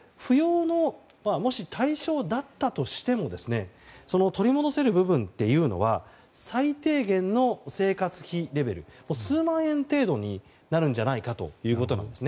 もし、扶養の対象だったとしても取り戻せる部分というのは最低限の生活費レベル数万円程度になるんじゃないかということです。